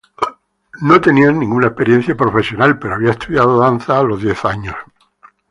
No tenía ninguna experiencia profesional pero había estudiado danza a los diez años.